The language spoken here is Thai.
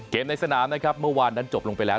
ในสนามนะครับเมื่อวานนั้นจบลงไปแล้ว